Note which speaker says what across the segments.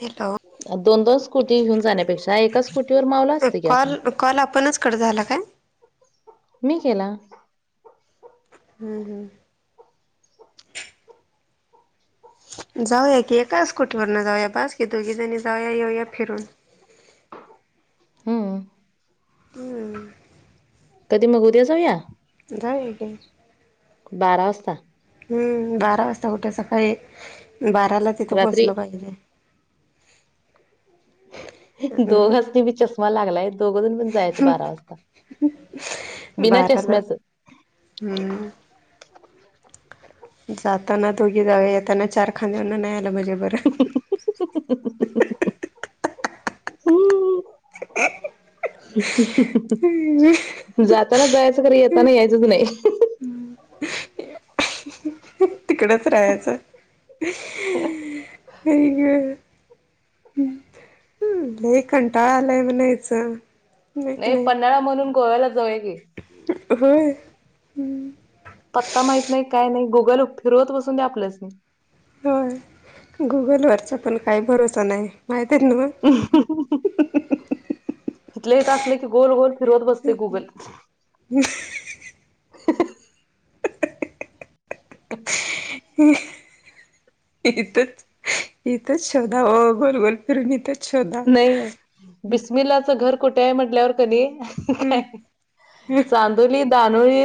Speaker 1: Hello
Speaker 2: दोन दोन scooty घेऊन जाण्यापेक्षा, एका स्कुटीवर मावला असते की आपण.
Speaker 1: कॉल कॉल आपणच कट झाला काय?
Speaker 2: मी केला.
Speaker 1: हम् हम्. जाऊया की एकाच कुटीवरन जाऊया, बस की दोघी जणी जाऊया येऊया फिरून
Speaker 2: हम्म.
Speaker 1: हम्.
Speaker 2: कधी मग जाऊया?
Speaker 1: जायक [unintelligible]
Speaker 2: बारा वाजता?
Speaker 1: हम्म, बारा वाजता उठ सकाळी बाराला तिथे पोहचलो पाहिजे.
Speaker 2: दोघजनी मी चष्मा लागलाय दोघजून पण जायच बारा वाजता. बिना चष्म्याचं
Speaker 1: हम्म. जाताना दोघी जावे येताना चार खांदेना नाही आलं म्हजे बरं.
Speaker 2: हम
Speaker 1: ह
Speaker 2: जाताना जायचं करी येताना यायचंच नाही.
Speaker 1: तिकडच राहायचं ह ग. ह् ल कंटाळ आलाय म्हणायचं.
Speaker 2: नाही पन्हाळा म्हणून गोव्याला जाऊ की.
Speaker 1: होय.
Speaker 2: पत्ता माहत नाही काय नाही गुगल फिरवत बसून द्या आपलंच नाही.
Speaker 1: होय गुगलवरच पण काही बरोसं नाही माहिती.
Speaker 2: इथलंही तर असलं की गोल गोल फिरवत बसते गुगल.
Speaker 1: हम्.
Speaker 2: ह.
Speaker 1: ह. इथच इथेच शोधा हो गोल गोल फिरून इथेच शोधा.
Speaker 2: नाही बिस्मिलाच घर कुठे आहे म्हटल्यावर कनी
Speaker 1: हम्म
Speaker 2: काय. चांदोली ानोळी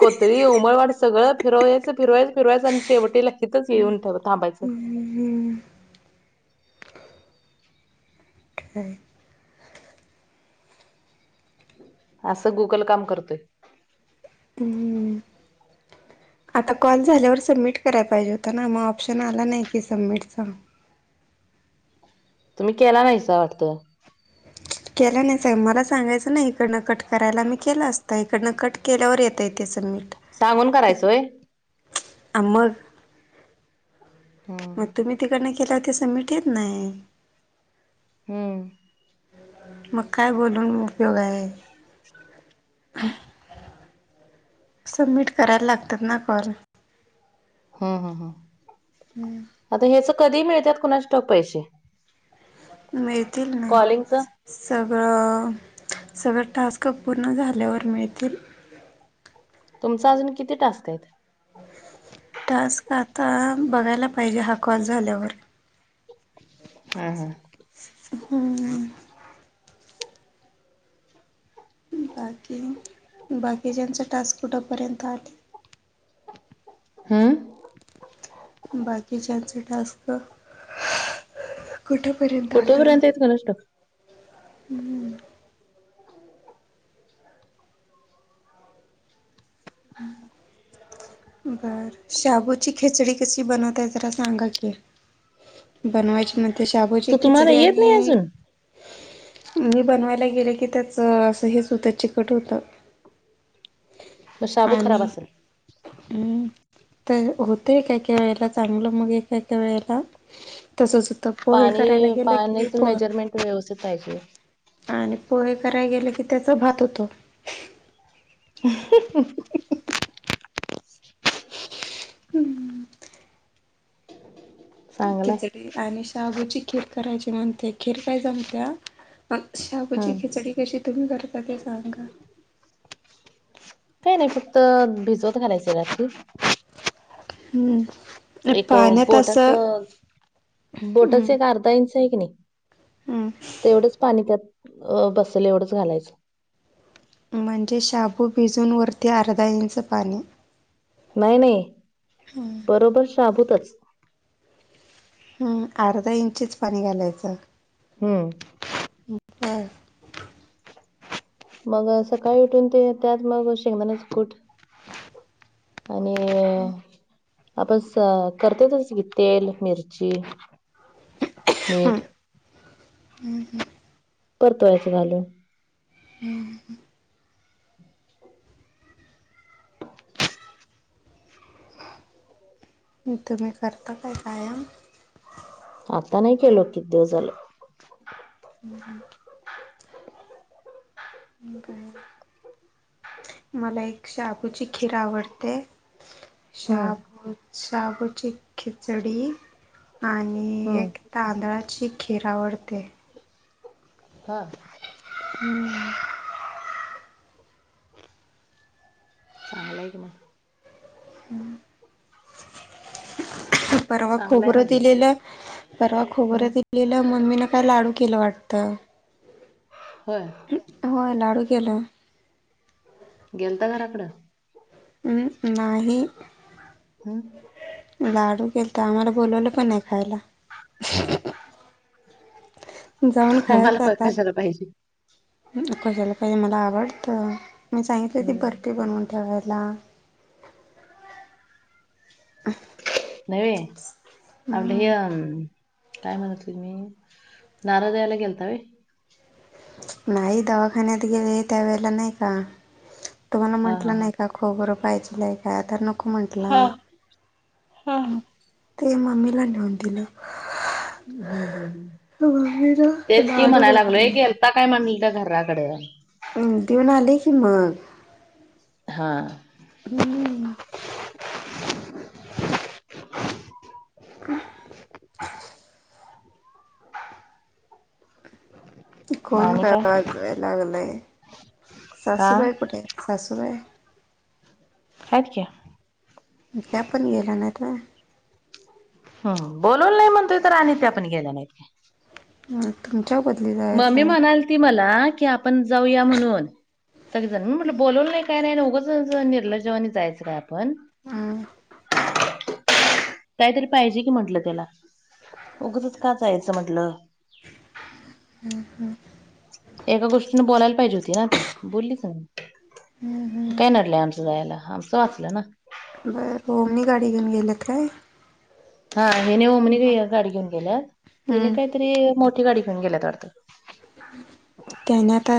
Speaker 2: को. तरी उमळवाड सगळं फिरवायच फिरयं फिरवायचं आणि शेवटी ल कीितच येऊन ठे थांबायचं.
Speaker 1: ह्.
Speaker 2: असं गुगल काम करतोय.
Speaker 1: आता कॉल झाल्यावर सबमिट करायला पाहिजेत. ता ना मग ऑप्शन आला नाही कि सबमिट.
Speaker 2: तुम्ही केला नाहीसा वाटतं.
Speaker 1: केला नाही सा मला सांगायचं ना इकडनं कट करायला मी केलं असतं इकडनं कट. केल्यावर येत येते सबमिट.
Speaker 2: सांगून करायचोय.
Speaker 1: आमग.
Speaker 2: हा.
Speaker 1: मग तुम्ही तिकडनं केलं ते सबमिट येत नाही.
Speaker 2: हम्म.
Speaker 1: मग काय बोलून उपयोग आहे. सबमिट करायला लागतात ना कॉल.
Speaker 2: हा हा हा.
Speaker 1: हम्म.
Speaker 2: आता हेच कधी मिळतात कुणाचे टोक पैसे.
Speaker 1: मिळतील.
Speaker 2: कॉलिंगच.
Speaker 1: सगळं सगळं टास्क पूर्ण झाल्यावर मिळतील.
Speaker 2: तुमचं अजून किती टासतय.
Speaker 1: टास्क आता बघायला पाहिजे हा कॉल झाल्यावर.
Speaker 2: हम हा.
Speaker 1: हम. बाकी बाकी ज्यांचा टास् कुठापर्यंत आ.
Speaker 2: हम्म,
Speaker 1: बाकीच्याचे टास्क? कुठंपर्यंत आलं?
Speaker 2: कुणाष्टाऊक
Speaker 1: हम्म, बर, शाबूची खिचडी कशी बनवताय जरा सांगा की? बनवायची म शाबूची
Speaker 2: तू तुम्हाला
Speaker 1: खिचडी
Speaker 2: येत नाही
Speaker 1: आणि.
Speaker 2: अजून
Speaker 1: मी बनवायला गेले की त्याच असं हेच हुतय, चिकट होतय.
Speaker 2: म शाबु खराब
Speaker 1: आणि
Speaker 2: असंल.
Speaker 1: हम्म, तर होतय काय काय वेळेला चांगलं, मग काय का वेळेला. तसंच होत,
Speaker 2: पाणी पाण्याच मेजरमेंट व्यवस्थित पाहिजे.
Speaker 1: आणि पोहे करायला गेले की त्याचा भात होतो.
Speaker 2: ह.
Speaker 1: हम्म.
Speaker 2: चांगलंय
Speaker 1: खिचडी आणि शाबूची खीर करायची म्हणते खीर काय जमत्या. शाबूची
Speaker 2: हम्म
Speaker 1: खिचडी कशी तुम्ही करता ते सांगा.
Speaker 2: काय नाही फक्त, भिजवत घालायचंय रात्री.
Speaker 1: हम्म
Speaker 2: एक
Speaker 1: पाण्यात
Speaker 2: बोटाच.
Speaker 1: असं हम्म
Speaker 2: बोटाच एक अर्धा इंच आहे की नाही,
Speaker 1: हम्म
Speaker 2: तेवढंच पाणी त्यात अ बसल एवढंच घालायचं.
Speaker 1: म्हणजे, शाबू भिजून वरती अर्धा इंच पाणी.
Speaker 2: नाही, नाही बरोबर शाभूतच.
Speaker 1: अर्धा इंचीच पाणी घालायचं.
Speaker 2: हम्म,
Speaker 1: होय,
Speaker 2: मग सकाळी उठून ते त्यात मग शेंगदानाच कुठ. आणि, आपण करते तसच की तेल, मिरची,
Speaker 1: ह,
Speaker 2: मीठ
Speaker 1: ह, ह.
Speaker 2: परतवायचं घालून.
Speaker 1: हम्म, तुम्ही करता काय कायम?
Speaker 2: आता नाही केलं, किती दिवस झालं.
Speaker 1: हम्, हम, काय? मला एक शाबूची खीर आवडते.
Speaker 2: हम्म
Speaker 1: शाबु, शाबूची खिचडी आणि
Speaker 2: हम्म
Speaker 1: एक. तांदळाची खीर आवडते.
Speaker 2: हां,
Speaker 1: हम्म,
Speaker 2: चांगलंय की.
Speaker 1: परवा
Speaker 2: चांगलाय
Speaker 1: खोबरं
Speaker 2: म्हटलं
Speaker 1: दिलेलं, परवा खोबरं
Speaker 2: हम्म
Speaker 1: दिलेलं मग मी ना काय लाडू केलं वाटतं.
Speaker 2: होय.
Speaker 1: होय, लाडू केलं.
Speaker 2: गेलता घराकडं?
Speaker 1: हम्, नाही.
Speaker 2: हम,
Speaker 1: लाडू केलतं, आमाला बोलवल पण नाही खायला. जाऊन
Speaker 2: मला
Speaker 1: खायाच
Speaker 2: प
Speaker 1: आता.
Speaker 2: कशाला पाहिजे
Speaker 1: कशाला पाहिजे मला आवडत, मी सांगितलं ती
Speaker 2: हम्म.
Speaker 1: बर्फी बनवून. ठेवायला.
Speaker 2: नै बाई, आपलं हे.
Speaker 1: हम्म
Speaker 2: काय म्हणत त् नारदला गेलतावे.
Speaker 1: नाही दवाखान्यात गेले त्यावेेळेला नाही का तुम्हाला
Speaker 2: हा हा
Speaker 1: म्हटलं
Speaker 2: हा
Speaker 1: नाही का? खोबरं पाहिजेल आहे काय तर नको म्हटला.
Speaker 2: हा हम्म,
Speaker 1: ते मम्मीला नेऊन दिलो
Speaker 2: ह तेच कि
Speaker 1: लाडू
Speaker 2: म्हणायला लागलोय
Speaker 1: बनवला.
Speaker 2: कि गेलता काय म्हणल का घराकडे
Speaker 1: देऊन आले की मग
Speaker 2: हां
Speaker 1: हम्म ह [unintelligible] [inaudible] क
Speaker 2: मग
Speaker 1: कोण
Speaker 2: आणि
Speaker 1: काय वाजवाय लागलंय
Speaker 2: हा
Speaker 1: सासूबाई कुठे आहेत सासूबाई?
Speaker 2: हायत की
Speaker 1: त्या पण गेल्या नाहीत होय?
Speaker 2: हम, बोलवल नाही म्हणतोय तर आणि त्यापण गेल्या नाहीत काय
Speaker 1: हम तुमच्या बदली झा
Speaker 2: मम्मी म्हणालती मला की पण जाऊया म्हणून सगलीजण मी म्हणल बोलवल नाही काय नाही निर्लजवानी जायचं काय आपण?
Speaker 1: हमम
Speaker 2: कायतरी पाहिजे की म्हटलं त्याला उगचच का जायचं म्हटलं.
Speaker 1: हम् हम्
Speaker 2: एका गोष्टीने बोलायला पाहिजे होती ना ती बोललीच नाही.
Speaker 1: हम्म
Speaker 2: काय
Speaker 1: हम्म
Speaker 2: नडलंय आमचं जायला आमचं वाचलं ना
Speaker 1: बर ओमनी गाडी घेऊन गेल्यात काय?
Speaker 2: हा हिने ओमनी गाडी घेऊन गेल्यात तेनी
Speaker 1: हम्म
Speaker 2: काहीतरी मोठी गाडी घेऊन गेल्यात वाटत
Speaker 1: त्यानी आता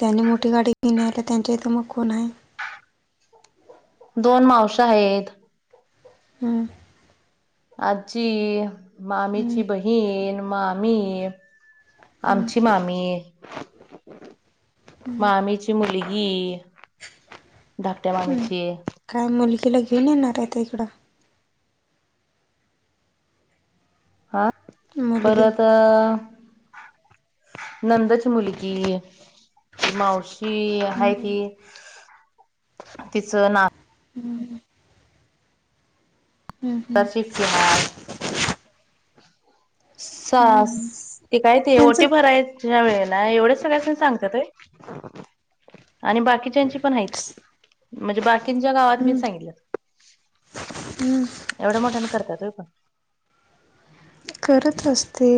Speaker 1: त्यांनी मोठी गाडी घेवून गेल्यात त्यांच्या इथे मग कोण आहे?
Speaker 2: दोन मावश्या आहेत
Speaker 1: हां
Speaker 2: आजी
Speaker 1: हम्म,
Speaker 2: मामीची बहीण मामी.
Speaker 1: हम्म,
Speaker 2: आमची मामी मामीची. ची मुलगी धाकट्या
Speaker 1: हम्म.
Speaker 2: मामीची.
Speaker 1: काय मुलगीला घेऊन येणार आहेत काय इकडं?
Speaker 2: हा
Speaker 1: मुलगीला
Speaker 2: परत नंदची मुलगी मावशी आहे
Speaker 1: हम्म,
Speaker 2: ती. तिचं ना
Speaker 1: हम्म [inaudible] हम्म,
Speaker 2: त
Speaker 1: हम्म.
Speaker 2: ची एकटी हाय सास ते काय ते ओटी
Speaker 1: त्यांचं
Speaker 2: भराय ह्या वेळेला एवढ्या सगळ्यासणी सांगत्यात होय आणि बाकीच्याची पण आहेत म्हणजे बाकींच्या गावात मी सांगितलं
Speaker 1: हम्
Speaker 2: एवढ मोठ्याण करत्यात होय पण
Speaker 1: करत असते.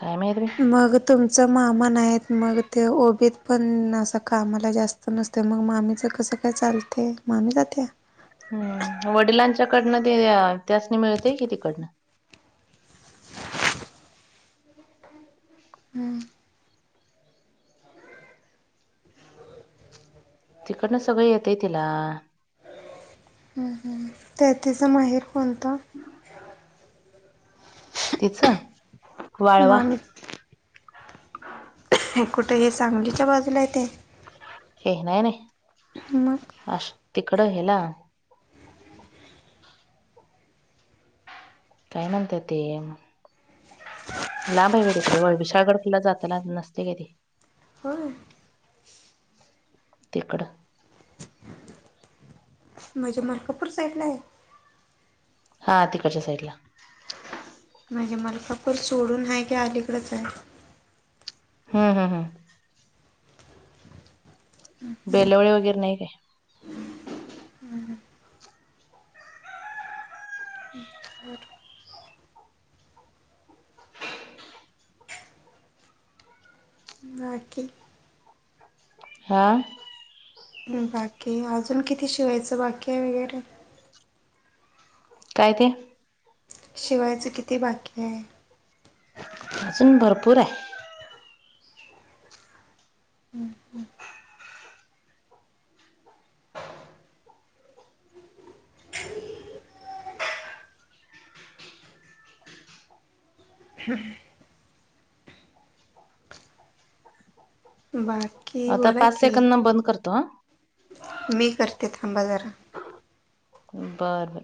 Speaker 2: काय माहित बाई
Speaker 1: मगत तुमच मामा नाही आहेत मग ते ओबीत पण असं कामाला जास्त नसत तर मग मामीच कसं काय चालतय मामी जात्या?
Speaker 2: हम् वडिलांच्याकडनं ते त्यासनी मिळतय कि तिकडनं.
Speaker 1: हम्म
Speaker 2: तिकडनं सगळं येतेय तिला
Speaker 1: हम हम त्या तिचां माहेर कोणतं?
Speaker 2: तिच वाळवा.
Speaker 1: मामी हे कुठं हे सांगलीच्या बाजूला येतय?
Speaker 2: हे नाही नाही.
Speaker 1: मग
Speaker 2: [unintelligible] तिकडं हेला. काय म्हणतात ते? लांब आहे तिकडं विशाळगड जाताना नसतय काय ते?
Speaker 1: होय.
Speaker 2: तिकड.
Speaker 1: म्हणजे, मलकापूर साईड ला आहे?
Speaker 2: हा तिकडच्या साईड ला.
Speaker 1: म्हणजे मलकापर सोडून आहे, का अलीकडचं आहे?
Speaker 2: ह ह ह. बेलवळे वगैरे नाही, काय?
Speaker 1: बाकी
Speaker 2: हा.
Speaker 1: बाकी अजून किती शिवायचं बाकी आहे, वगैर?
Speaker 2: काय ते?
Speaker 1: शिवायचं किती, बाकी आहे?
Speaker 2: अजून भरपूर आहे.
Speaker 1: हम हम्म. हअ् [unintelligible]
Speaker 2: आता पाच
Speaker 1: की
Speaker 2: सेकंद न बंद करतो, हा.
Speaker 1: मी करते, थांबा जरा.
Speaker 2: बरं बरं